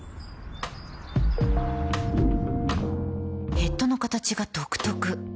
ヘッドの形が独特